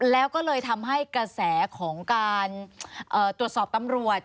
แล้วก็เลยทำให้กระแสของการตรวจสอบตำรวจ